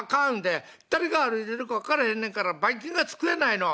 誰が歩いてるか分からへんねんからバイ菌が付くやないの。